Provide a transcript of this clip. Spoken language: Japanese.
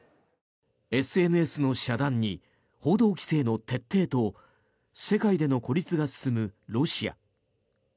ＳＮＳの遮断に報道規制の徹底と世界での孤立が進むロシア。